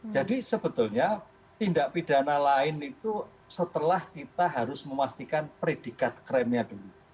jadi sebetulnya tindak pidana lain itu setelah kita harus memastikan predikat krimnya dulu